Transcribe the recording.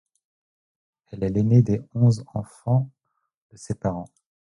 Elle est l'aînée des onze enfants de ses parents.